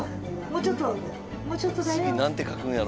もうちょっともうちょっとだよ。